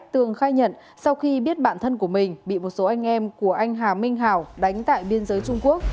tường khai nhận sau khi biết bạn thân của mình bị một số anh em của anh hà minh hảo đánh tại biên giới trung quốc